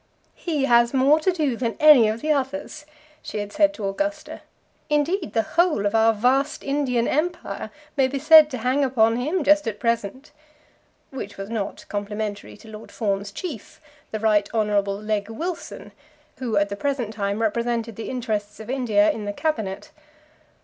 "He has more to do than any of the others," she had said to Augusta. "Indeed, the whole of our vast Indian empire may be said to hang upon him, just at present;" which was not complimentary to Lord Fawn's chief, the Right Honourable Legge Wilson, who at the present time represented the interests of India in the Cabinet.